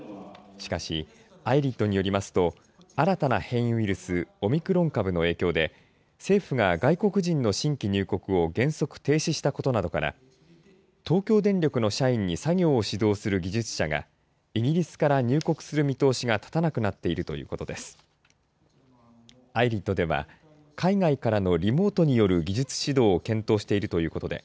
しかし、ＩＲＩＤによりますと新たな変異ウイルスオミクロン株の影響で政府が外国人の新規入国を原則停止したことなどから東京電力の社員に作業を指導する技術者がイギリスから入国する見通しが立たなくなっているということです。